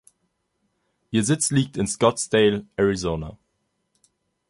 Ihr Sitz liegt in Scottsdale, Arizona.